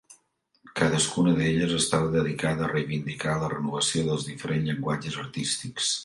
Cadascuna d'elles estava dedicada a reivindicar la renovació dels diferents llenguatges artístics.